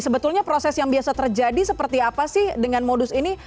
sebetulnya proses yang biasa terjadi seperti apa sih dengan modus ini